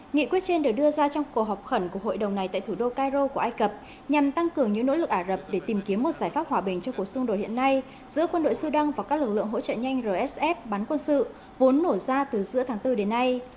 nghị quyết trên được đưa ra trong cuộc họp khẩn của hội đồng này tại thủ đô cairo của ai cập nhằm tăng cường những nỗ lực ảo để tìm kiếm một giải pháp hòa bình cho cuộc xung đột hiện nay giữa quân đội sudan và các lực lượng hỗ trợ nhanh rsf bắn quân sự vốn nổ ra từ giữa tháng bốn đến nay